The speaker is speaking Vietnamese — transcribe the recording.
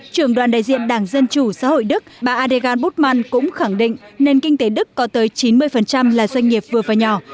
trưởng đoàn đại diện đảng dân chủ xã hội đức bà adegan bút man cũng khẳng định nền kinh tế đức có tới chín mươi là doanh nghiệp vừa và nhỏ